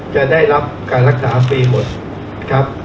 จะได้รับการรักษาฟรีหมดครับ